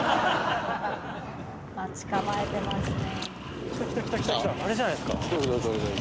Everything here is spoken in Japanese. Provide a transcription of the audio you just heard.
待ち構えてますね。